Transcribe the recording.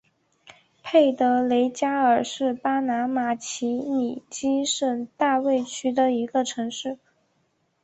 佩德雷加尔是巴拿马奇里基省大卫区的一个城市。